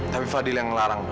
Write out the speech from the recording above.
tapi fadil yang ngelarang